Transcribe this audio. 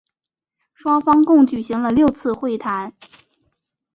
双方共举行了六次会谈。